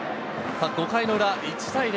５回の裏、１対０。